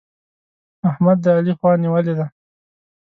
احمد د علي خوا نيولې ده.